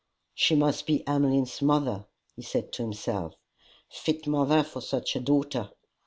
"She must be Emmeline's mother," he said to himself, " fit mother for such a daughter."